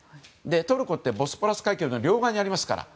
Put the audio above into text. トルコってボスポラス海峡の両側にありますから。